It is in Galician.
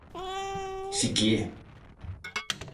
Si que é.